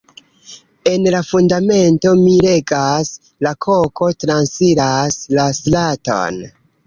En la Fundamento mi legas "la koko transiras la straton".